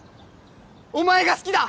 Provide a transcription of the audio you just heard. お前が好きだ！